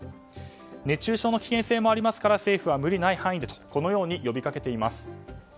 熱中症の危険性もありますから政府は、無理ない範囲でと呼びかけています。